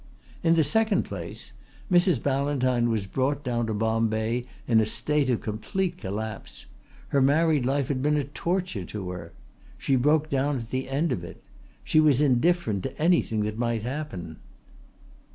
In the second place Mrs. Ballantyne was brought down to Bombay in a state of complete collapse. Her married life had been a torture to her. She broke down at the end of it. She was indifferent to anything that might happen."